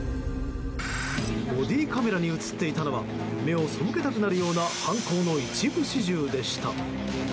ボディーカメラに映っていたのは目を背けたくなるような犯行の一部始終でした。